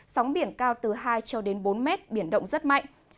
sóng biển cao từ hai cho đến bốn mét biển động rất mạnh